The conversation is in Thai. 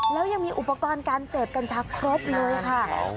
แล้วยังมีอุปกรณ์การเสพกัญชาครบเลยค่ะ